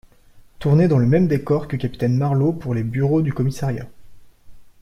Tourné dans le même décor que Capitaine Marleau pour les bureaux du commissariat.